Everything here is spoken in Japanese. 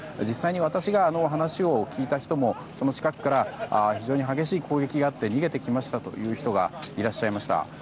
実際に私が話を聞いた人たちも近くから非常に激しい攻撃があって逃げてきましたという人がいらっしゃいました。